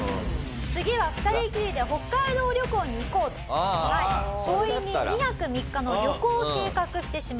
「次は２人きりで北海道旅行に行こう」と強引に２泊３日の旅行を計画してしまいます。